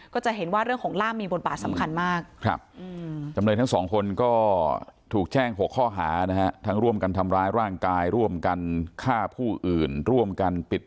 ก็จะเห็นว่าเรื่องของล่ามมีบทบาทสำคัญมากครับ